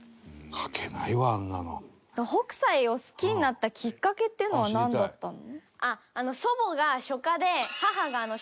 北斎を好きになったきっかけっていうのはなんだったの？